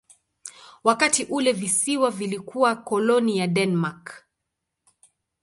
Wakati ule visiwa vilikuwa koloni ya Denmark.